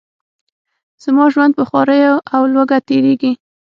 زما ژوند په خواریو او لوږه تیریږي.